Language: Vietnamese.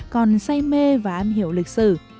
còn say mê và âm hiểu lịch sử